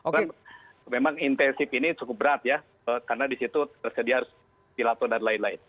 karena memang intensif ini cukup berat ya karena disitu tersedia silaton dan lain lain